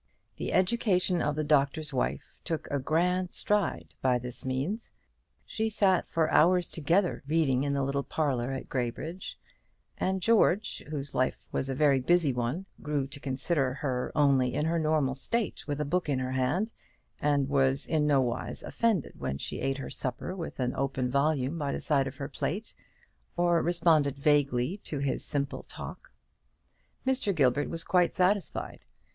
The education of the Doctor's Wife took a grand stride by this means. She sat for hours together reading in the little parlour at Graybridge; and George, whose life was a very busy one, grew to consider her only in her normal state with a book in her hand, and was in nowise offended when she ate her supper with an open volume by the side of her plate, or responded vaguely to his simple talk. Mr. Gilbert was quite satisfied.